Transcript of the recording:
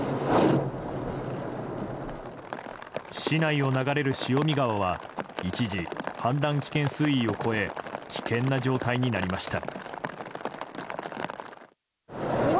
市内を流れる塩見川は一時、氾濫危険水位を超え危険な状態になりました。